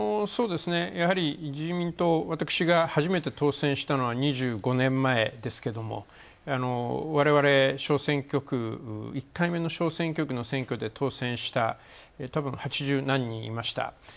やはり、自民党、私が初めて当選したのは２５年前ですけれど、われわれ、１回目の小選挙区の選挙で当選した、たぶん八十何人いました。